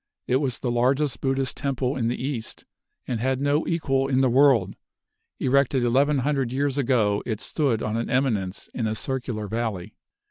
It was the largest Buddhist Temple in the east, and had no equal in the world. Erected eleven hundred years ago, it stood on an eminence in a circular valley.